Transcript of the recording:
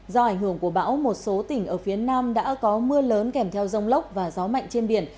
do ảnh hưởng của bão một số tỉnh ở phía nam đã có mưa lớn kèm theo rông lốc và gió mạnh trên biển